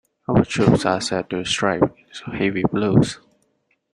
Our troops are set to strike heavy blows.